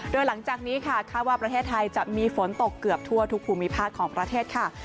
โดยหลังจากนี้ค่ะคาดว่าประเทศไทยจะมีฝนตกเกือบทั่วทุกภูมิภาคของประเทศค่ะ